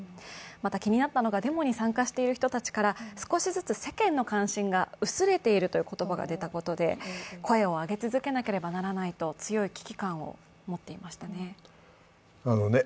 また、気になったのがデモに参加している人たちから少しずつ世間の関心が薄れているという言葉が出たことで声を上げ続けなければいけないと強い危機感を持っていましたね。